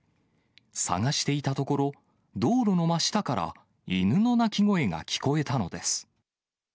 捜していたところ、道路の真下から犬の鳴き声が聞こえたのです。